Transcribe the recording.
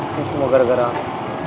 semoga gara gara aku